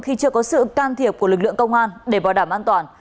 khi chưa có sự can thiệp của lực lượng công an để bảo đảm an toàn